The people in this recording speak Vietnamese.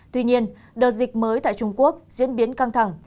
tuy nhiên đợt dịch mới tại trung quốc diễn biến căng thẳng